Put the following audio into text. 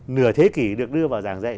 nửa thế kỷ được đưa vào giảng dạy